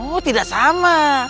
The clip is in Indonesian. oh tidak sama